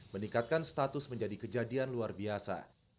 meningkatkan status menjadi kejadian luar biasa